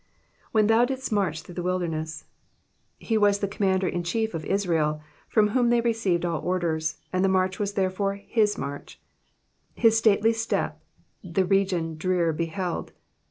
W/ien thou didst inarch through the wilderness, '' He was the Commander in chief of Israel, from whom they received all orders, and the march was therefore his march. His stately step the region drear beheld."